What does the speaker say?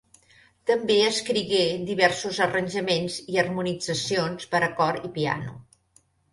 També escrigué diversos arranjaments i harmonitzacions per a cor i piano.